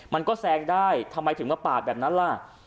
มันก็แซงได้ทำไมถึงมาปาดแบบนั้นล่ะ